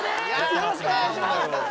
よろしくお願いします。